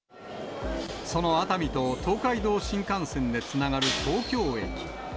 その熱海と東海道新幹線でつながる東京駅。